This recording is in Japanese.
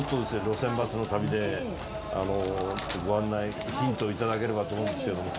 『路線バスの旅』でご案内ヒントを頂ければと思うんですけれども。